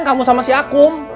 kamu sama si akum